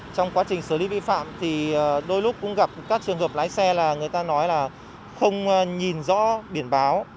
trong quá trình xử lý vi phạm thì đôi lúc cũng gặp các trường hợp lái xe là người ta nói là không nhìn rõ biển báo